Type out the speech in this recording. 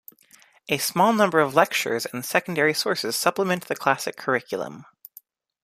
A small number of lectures and secondary sources supplement the classic curriculum.